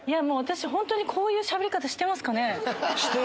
私本当にこういうしゃべり方してますかね？